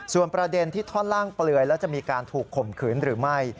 ส่วนประเด็นที่ท่อนล่างเปลือยและจะมีการถูกข่มขืนหรือไม่